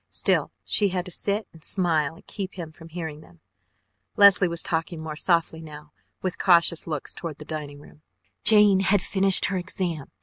Still she had to sit and smile and keep him from hearing them. Leslie was talking more softly now, with cautious looks toward the dining room. "Jane had finished her exam.